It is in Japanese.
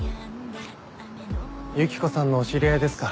ユキコさんのお知り合いですか？